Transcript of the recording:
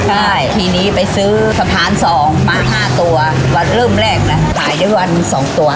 ใช่ทีนี้ไปซื้อสะพาน๒มา๕ตัววันเริ่มแรกก็ขายได้วัน๒ต่อ